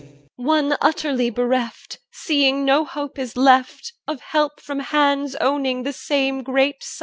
EL. One utterly bereft, Seeing no hope is left, Of help from hands owning the same great sire.